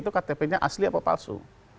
itu ektpnya asli apa palsu